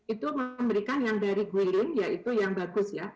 itu memberikan yang dari guiling yaitu yang bagus ya